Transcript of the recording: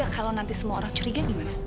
kalau nanti semua orang curiga gimana